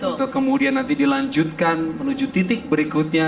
untuk kemudian nanti dilanjutkan menuju titik berikutnya